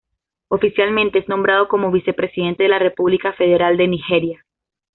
Oficialmente es nombrado como vicepresidente de la República Federal de Nigeria.